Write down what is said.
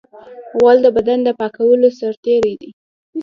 غول د بدن د پاکولو سرتېری دی.